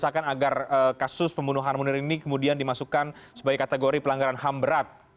saya juga ingin memperkenalkan agar kasus pembunuhan munir ini kemudian dimasukkan sebagai kategori pelanggaran ham berat